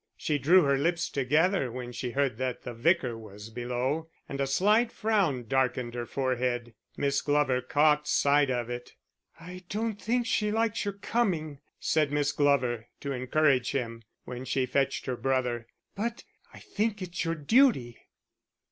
She drew her lips together when she heard that the Vicar was below, and a slight frown darkened her forehead. Miss Glover caught sight of it. "I don't think she likes your coming," said Miss Glover to encourage him when she fetched her brother, "but I think it's your duty."